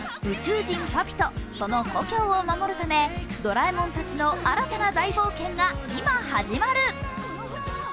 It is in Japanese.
宇宙人、パピとの故郷を守るためドラえもんたちの新たな大冒険が今、始まる。